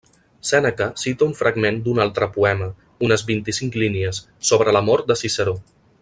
Sèneca cita un fragment d'un altre poema, unes vint-i-cinc línies, sobre la mort de Ciceró.